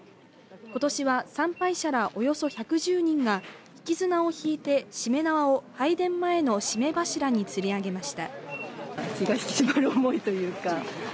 今年は参拝者らおよそ１１０人が引綱を引いて、注連縄を拝殿前のしめ柱につり上げました。